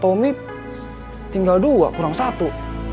ternyata punya tinggal dua kurang satu